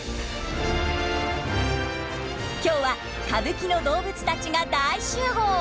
今日は歌舞伎の動物たちが大集合。